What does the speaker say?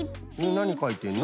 なにかいてんの？